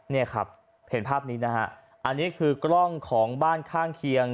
เนี่ยครับเห็นภาพนี้นะฮะอันนี้คือกล้องของบ้านข้างเคียง